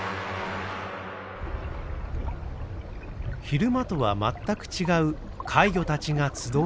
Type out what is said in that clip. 昼間とは全く違う怪魚たちが集う夜。